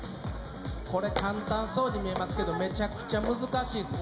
これ簡単そうに見えますけどめちゃくちゃ難しいです・・